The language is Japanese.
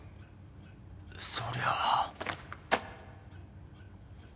そりゃあ。